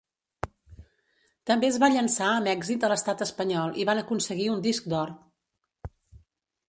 També es va llançar amb èxit a l'Estat espanyol i van aconseguir un disc d'or.